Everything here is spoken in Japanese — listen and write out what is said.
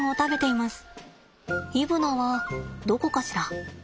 イブナはどこかしら。